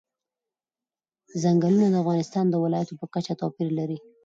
ځنګلونه د افغانستان د ولایاتو په کچه توپیر لري.